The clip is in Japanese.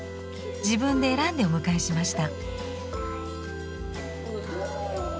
自分で選んでお迎えしました。